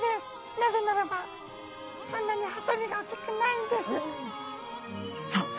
なぜならばそんなにハサミが大きくないんです」。